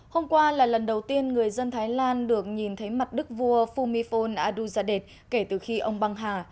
hôm qua là lần đầu tiên người dân thái lan được nhìn thấy mặt đức vua fumifon aduzade kể từ khi ông băng hà